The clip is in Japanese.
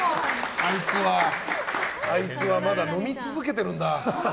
あいつはまだ飲み続けてるんだ。